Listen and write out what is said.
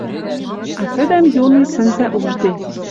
А тӹдӹм юный сӹнзӓ ужде